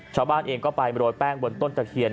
ชาวบ้านเองก็ไปโรยแป้งบนต้นตะเคียน